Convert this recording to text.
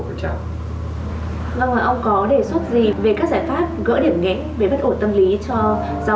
vâng ạ ông có đề xuất gì về các giải pháp gỡ điểm nghẽ